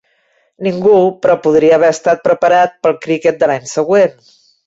Ningú, però, podria haver estat preparat pel criquet de l'any següent.